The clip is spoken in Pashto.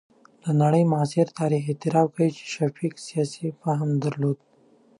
د نړۍ معاصر تاریخ اعتراف کوي چې شفیق سیاسي فهم درلود.